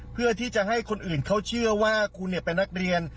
เพื่อที่จะให้คนอื่นเขาเชื่อว่าคุณเป็นนักเรียน